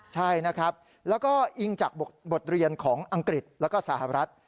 ใช่นะครับแล้วก็อิงจากบทเรียนของอังกฤษแล้วก็สหรัฐ